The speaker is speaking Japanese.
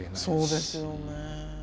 そうですよね。